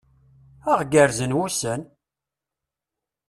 Ad aɣ-gerrzen wussan!